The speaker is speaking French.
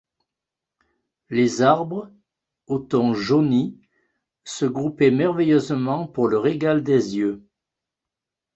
Les arbres, aux tons jaunis, se groupaient merveilleusement pour le régal des yeux